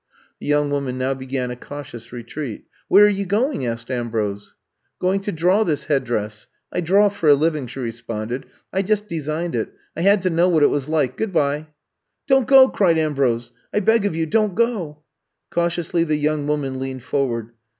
'' The young woman now began a cautious retreat. Where are you going t" asked Am brose. Going to draw this headdress — ^I draw for a living," she responded. I just de signed it. I had to know what it was like. Good by." Don't go," cried Ambrose. I beg of you, don 't go. '' Cautiously the young woman leaned for ward.